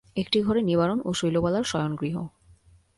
একটি ঘরে নিবারণ ও শৈলবালার শয়নগৃহ।